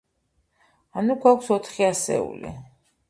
ანუ გვაქვს ოთხი ასეული.